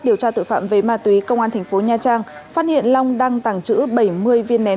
điều tra tội phạm về ma túy công an thành phố nha trang phát hiện long đang tàng trữ bảy mươi viên nén